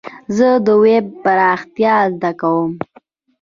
زه د ويب پراختيا زده کوم.